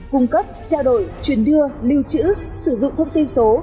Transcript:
cung cấp trao đổi truyền đưa lưu trữ sử dụng thông tin số